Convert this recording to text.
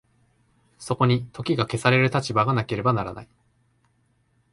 そこに時が消される立場がなければならない。